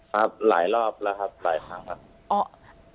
ครับหลายรอบแล้วครับหลายครั้งครับ